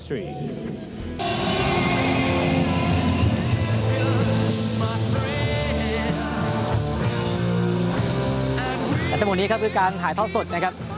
อันท่านหมดนี้ครับคือการถ่อสดนะครับ